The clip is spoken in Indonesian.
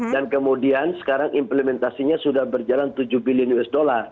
dan kemudian sekarang implementasinya sudah berjalan tujuh billion usd